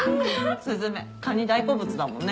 雀カニ大好物だもんね。